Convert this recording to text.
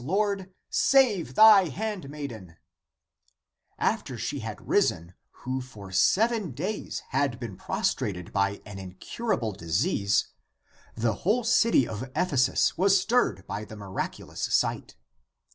Lord, Save thy handmaiden !" After she had risen who for seven days < had been prostrated by an incurable disease >, the whole city of Ephesus was stirred by the miraculous sight.